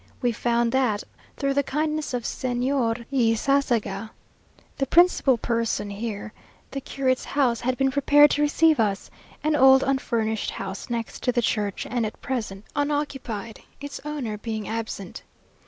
We found that, through the kindness of Señor Ysasaga, the principal person here, the curate's house had been prepared to receive us an old unfurnished house next the church, and at present unoccupied, its owner being absent.